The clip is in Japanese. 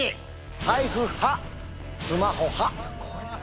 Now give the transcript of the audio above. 財布派、スマホ派。